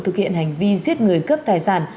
thực hiện hành vi giết người cướp tài sản